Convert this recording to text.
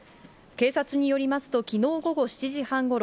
警察によりますと、きのう午後７時半ごろ、